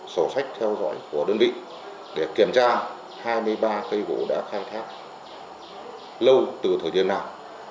sổ sách theo dõi của đơn vị để kiểm tra hai mươi ba cây gỗ đã khai thác lâu từ thời gian nào